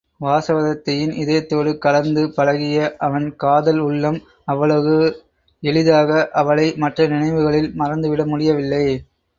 வாசவதத்தையின் இதயத்தோடு கலந்து பழகிய அவன் காதல் உள்ளம் அவ்வளவு எளிதாக அவளை மற்ற நினைவுகளில் மறந்துவிட முடியவில்லை.